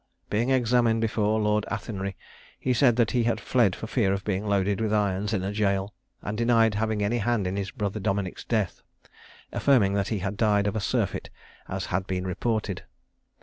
Being examined before Lord Athenry, he said that he had fled for fear of being loaded with irons in a jail, and denied having any hand in his brother Dominick's death, affirming that he had died of a surfeit, as had been reported.